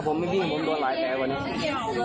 ผมไม่รู้ผมโดนหลายแทงกว่านี้